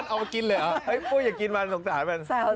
เอามากินเลยหรอโอ้ยอยากกินมาสงสารแบบนี้